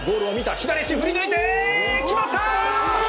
左足振りぬいて、決まった！